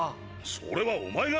それはお前が！